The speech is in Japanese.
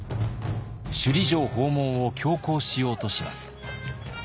首里城訪問を強行しようとします。